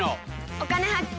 「お金発見」。